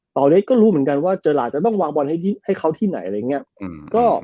ตอนนี้ก็รู้เหมือนกันว่าเจอราชจะต้องวางบอลให้เขาที่ไหนอะไรอย่างนี้